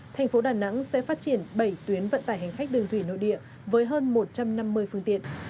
thành phố đà nẵng sẽ phát triển bảy tuyến vận tải hành khách đường thủy nội địa với hơn một trăm năm mươi phương tiện